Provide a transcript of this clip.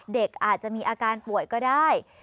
เด็กอาจจะมีอาการป่วยก็ได้